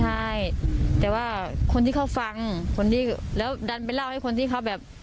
ใช่แต่ว่าคนที่เขาฟังคนที่แล้วดันไปเล่าให้คนที่เขาแบบ